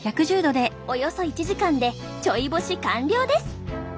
およそ１時間でちょい干し完了です。